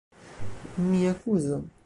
Mia kuzo.